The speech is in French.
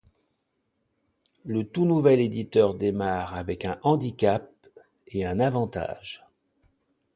Le tout nouvel éditeur démarre avec un handicap et un avantage.